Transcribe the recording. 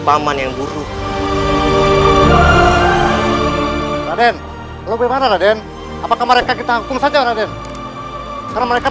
paman yang buruk raden lo bagaimana raden apakah mereka kita hukum saja raden karena mereka